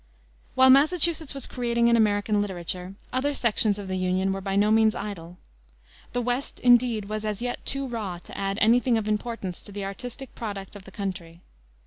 While Massachusetts was creating an American literature, other sections of the Union were by no means idle. The West, indeed, was as yet too raw to add any thing of importance to the artistic product of the country.